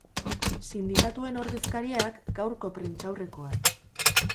Sindikatuen ordezkariak, gaurko prentsaurrekoan.